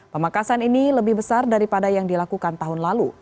pemakasan ini lebih besar daripada yang dilakukan tahun lalu